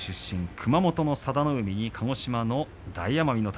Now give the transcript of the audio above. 熊本の佐田の海、そして鹿児島の大奄美。